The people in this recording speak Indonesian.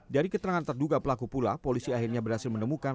dari keterangan terduga pelaku pula polisi akhirnya berhasil menemukan